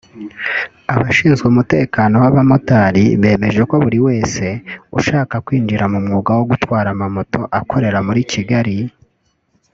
Abashinzwe umutekano w’abamotari bemeje ko buri wese ushaka kwinjira mu mwuga wo gutwara moto akorera muri Kigali